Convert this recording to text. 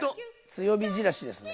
強火じらしですね。